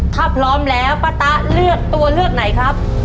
ถ้าพร้อมแล้วป้าต๊ะเลือกตัวเลือกไหนครับ